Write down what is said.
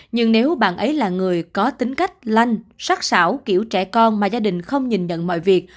nhưng nếu bạn ấy là người có tính cách lanh sắc xảo kiểu trẻ con mà gia đình không nhìn nhận mọi việc